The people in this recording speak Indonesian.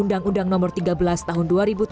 undang undang nomor tiga belas tahun dua ribu tiga